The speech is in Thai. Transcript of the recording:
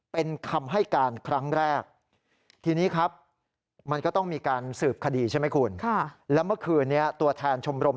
เป็นคำให้การครั้งแรก